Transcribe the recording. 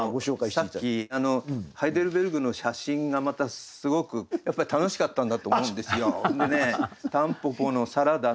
さっきハイデルベルクの写真がまたすごくやっぱり楽しかったんだと思うんですよ。